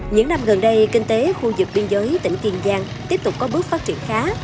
những năm gần đây kinh tế khu vực biên giới tỉnh kiên giang tiếp tục có bước phát triển khá